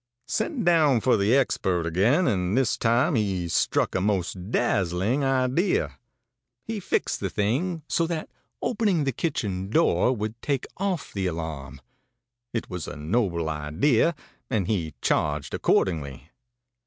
ãSent down for the expert again, and this time he struck a most dazzling idea he fixed the thing so that opening the kitchen door would take off the alarm. It was a noble idea, and he charged accordingly.